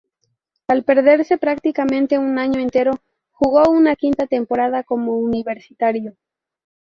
Al perderse prácticamente un año entero, jugó una quinta temporada como universitario.